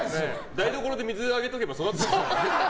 台所で水をやっていれば育つでしょ。